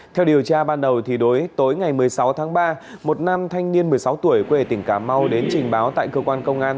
theo điều tra ban đầu thì đối tối ngày một mươi sáu tháng ba một nam thanh niên một mươi sáu tuổi quê tỉnh cà mau đến trình báo tại cơ quan công an